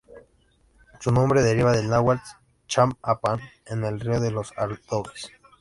Su nombre deriva del náhuatl: Xam-a-pan, "En el río de los adobes".